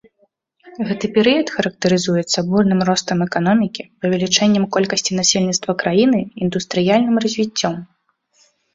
Гэты перыяд характарызуецца бурным ростам эканомікі, павелічэннем колькасці насельніцтва краіны, індустрыяльным развіццём.